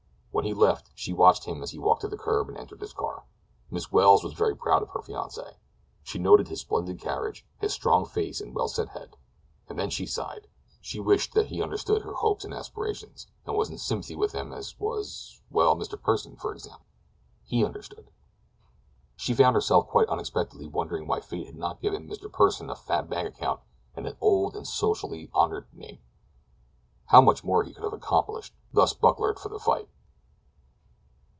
When he left she watched him as he walked to the curb and entered his car. Miss Welles was very proud of her fiancée. She noted his splendid carriage, his strong face and well set head; and then she sighed. She wished that he understood her hopes and aspirations, and was in sympathy with them as was—well—Mr. Pursen, for example. He understood. She found herself, quite unexpectedly, wondering why fate had not given Mr. Pursen a fat bank account and an old and socially honored name. How much more he could have accomplished, thus bucklered for the fight!